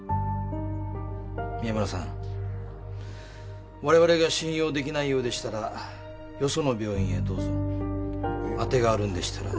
宮村さん我々が信用できないようでしたらよその病院へどうぞあてがあるんでしたらね